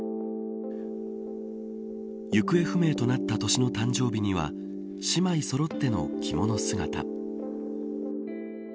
行方不明となった年の誕生日には姉妹そろっての着物姿。